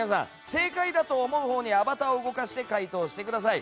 正解だと思うほうにアバターを動かして回答してください。